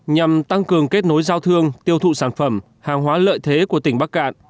nhằm tăng cường kết nối giao thương tiêu thụ sản phẩm hàng hóa lợi thế của tỉnh bắc cạn